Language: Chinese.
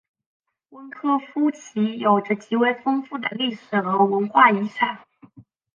温科夫齐有着极为丰富的历史与文化遗产。